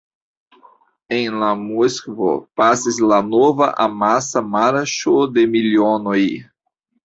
La en Moskvo pasis la nova amasa "Marŝo de milionoj".